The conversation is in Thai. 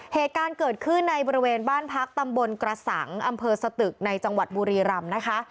เหตุการณ์เกิดขึ้นในบริเวณบ้านพักตำบลกระสังอำเภอสตึกในจังหวัดบุรีรำนะคะ